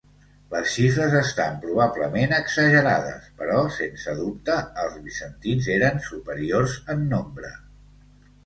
Les xifres estan probablement exagerades, però sense dubte els bizantins eren superiors en nombre.